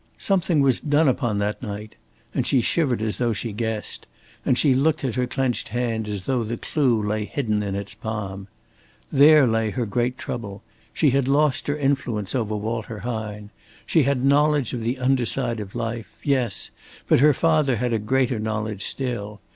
Something was done upon that night," and she shivered as though she guessed; and she looked at her clenched hand as though the clue lay hidden in its palm. There lay her great trouble. She had lost her influence over Walter Hine. She had knowledge of the under side of life yes, but her father had a greater knowledge still.